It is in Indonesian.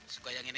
suka yang ini